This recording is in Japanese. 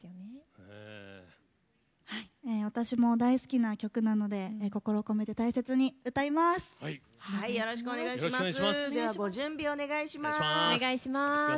私も大好きな曲なので心を込めて大切に歌います！